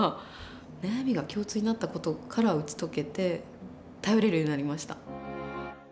悩みが共通になった事から打ち解けて頼れるようになりました。